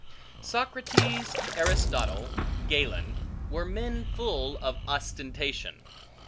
Socrates, Aristotle, Galen, were men full of ostentation.